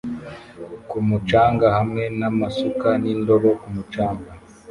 ku mucanga hamwe namasuka nindobo kumucanga